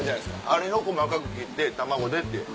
あれを細かく切って卵でって。